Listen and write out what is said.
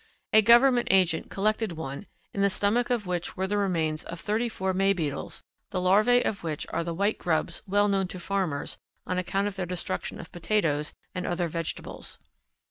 A Government agent collected one, in the stomach of which were the remains of thirty four May beetles, the larvae of which are the white grubs well known to farmers on account of their destruction of potatoes and other vegetables.